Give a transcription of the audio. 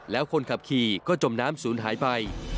แล้วคนขับขี่ก็จมน้ำศูนย์หายไป